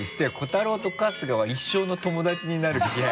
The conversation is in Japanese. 瑚太郎と春日は一生の友達になる気配がする。